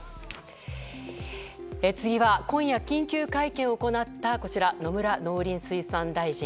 次は今夜、緊急会見を行ったこちら、野村農林水産大臣。